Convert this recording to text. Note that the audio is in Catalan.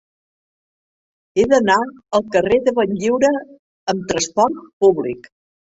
He d'anar al carrer de Benlliure amb trasport públic.